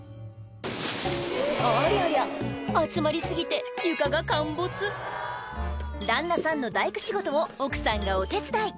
ありゃりゃ集まり過ぎて床が陥没旦那さんの大工仕事を奥さんがお手伝い